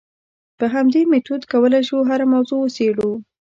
په همدې میتود کولای شو هره موضوع وڅېړو.